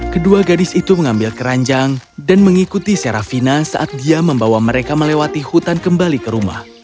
kedua gadis itu mengambil keranjang dan mengikuti serafina saat dia membawa mereka melewati hutan kembali ke rumah